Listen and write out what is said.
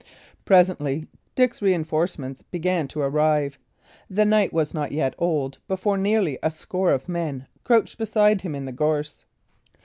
Presently Dick's reinforcements began to arrive. The night was not yet old before nearly a score of men crouched beside him in the gorse.